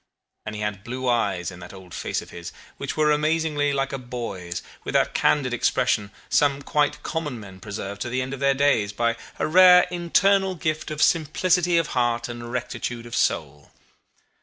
And he had blue eyes in that old face of his, which were amazingly like a boy's, with that candid expression some quite common men preserve to the end of their days by a rare internal gift of simplicity of heart and rectitude of soul.